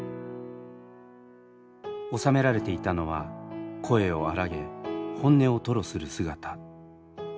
収められていたのは声を荒げ本音を吐露する姿。